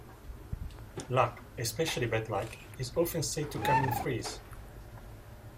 Luck, especially bad luck, is often said to "come in threes".